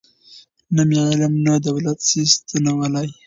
نه مي علم نه دولت سي ستنولای